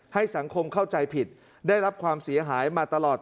ให้สังคมเข้าใจผิดได้รับความเสียหายมาตลอด